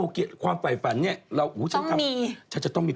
เข้าข้างอย่างนี้